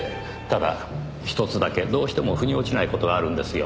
ただ１つだけどうしても腑に落ちない事があるんですよ。